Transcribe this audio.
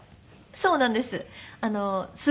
そうなんです。